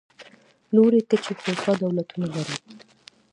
لوړې کچې هوسا دولتونه لري.